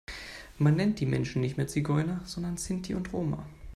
Man nennt diese Menschen nicht mehr Zigeuner, sondern Sinti und Roma.